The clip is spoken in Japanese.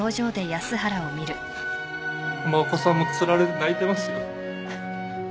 浜岡さんもつられて泣いてますよ。